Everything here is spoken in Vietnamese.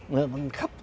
nó phân bố rải rác